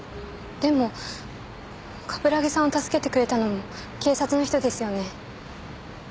でも冠城さんを助けてくれたのも警察の人ですよね？